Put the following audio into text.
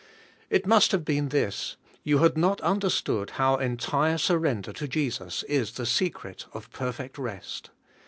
It must have been this: you had not understood how entire surrender to Jesus is the secret of perfect rest.